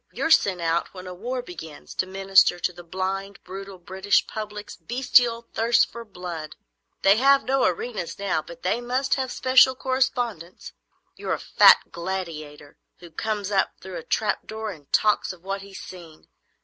you're sent out when a war begins, to minister to the blind, brutal, British public's bestial thirst for blood. They have no arenas now, but they must have special correspondents. You're a fat gladiator who comes up through a trap door and talks of what he's seen.